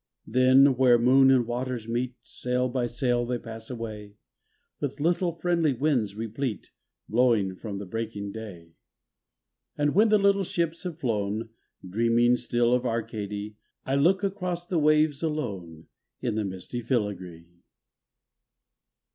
Then where moon and waters meet Sail by sail they pass away, With little friendly winds replete Blowing from the breaking day. 222 THE SHIPS OF ARCADY And when the httle ships have flown, Dreaming still of Arcady I look across the waves, alone In the misty filigree.